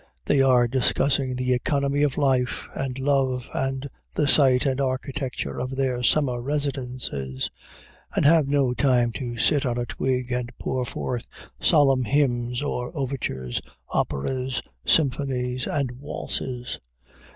They are discussing the economy of life and love and the site and architecture of their summer residences, and have no time to sit on a twig and pour forth solemn hymns or overtures, operas, symphonies and waltzes.